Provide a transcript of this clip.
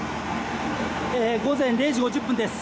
午前０時５０分です。